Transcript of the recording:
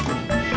gak ada apa apa